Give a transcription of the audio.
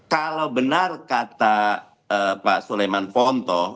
kalau benar kata pak suleiman fonto